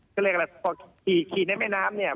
ก็เรียกอะไรพอขี่ในแม่น้ำเนี่ย